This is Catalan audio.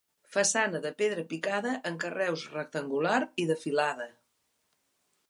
Façana de pedra picada en carreus rectangular i de filada.